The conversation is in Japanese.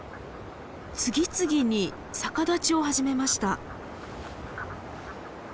次々に逆立ちを始めました。